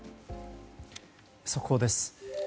速報です。